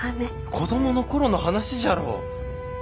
子供の頃の話じゃろう。